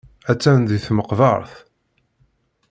Attan deg tmeqbert.